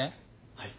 はい。